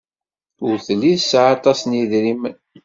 Ur telli tesɛa aṭas n yedrimen.